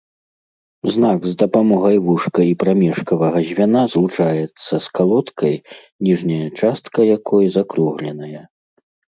Знак з дапамогай вушка і прамежкавага звяна злучаецца з калодкай, ніжняя частка якой закругленая.